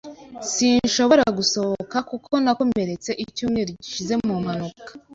Sinshobora gusohoka, kuko nakomeretse icyumweru gishize mu mpanuka.